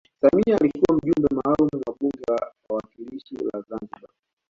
samia alikuwa mjumbe maalum wa bunge la wawakilishi la zanzibar